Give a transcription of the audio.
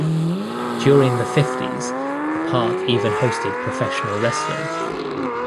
During the fifties the park even hosted professional wrestling.